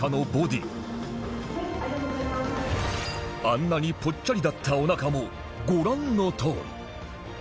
あんなにポッチャリだったおなかもご覧のとおり